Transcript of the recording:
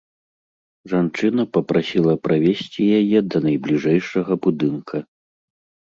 Жанчына папрасіла правесці яе да найбліжэйшага будынка.